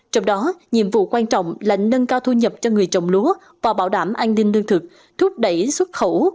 trong đó nhiệm vụ quan trọng là nâng cao thu nhập cho người trồng lúa và bảo đảm an ninh lương thực thúc đẩy xuất khẩu